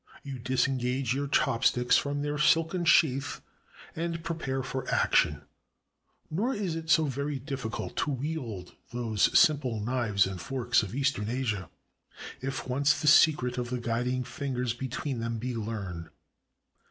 You disengage your chopsticks from their silken sheath and prepare for action — nor is it so very difficult to wield those simple knives and forks of Eastern Asia, if once the secret of the guiding fingers between them be learned.